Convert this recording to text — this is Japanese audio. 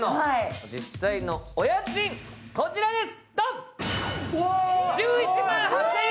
実際のお家賃、こちらです。